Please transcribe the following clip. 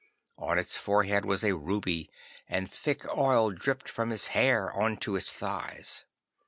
On its forehead was a ruby, and thick oil dripped from its hair on to its thighs.